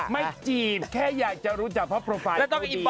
จีบแค่อยากจะรู้จักเพราะโปรไฟล์